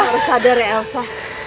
harus sadar ya elsa